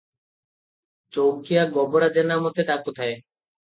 ଚୌକିଆ ଗୋବରା ଜେନା ମୋତେ ଡାକୁଥାଏ ।